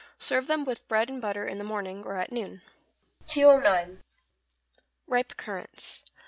Serve them with bread and butter in the morning, or at noon. 209. =Ripe Currants.